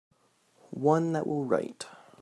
One that will write.